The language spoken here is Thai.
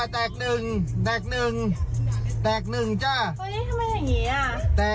แตกหนึ่งจ้า